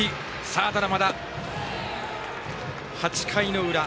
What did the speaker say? まだまだ８回の裏。